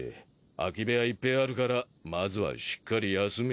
空き部屋いっぺぇあるからまずはしっかり休め。